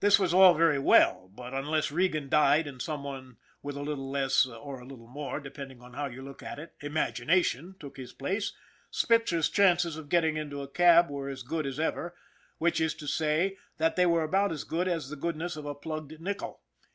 This was all very well, but unless Regan died and some one with a little less or a little more, depending on how you look at it imagination took his place, Spitzer's chances of getting into a cab were as good as ever, which is to say that they were about as good as the goodness of a plugged nickel.